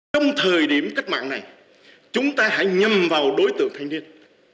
trong thời điểm cách mạng này chúng ta hãy nhầm vào đối tượng thanh niên